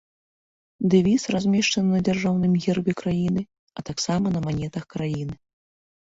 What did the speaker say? Дэвіз размешчаны на дзяржаўным гербе краіны, а таксама на манетах краіны.